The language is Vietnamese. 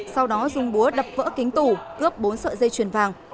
sau đó dùng búa đập vỡ kính tủ cướp bốn sợi dây chuyền vàng